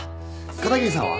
片桐さんは？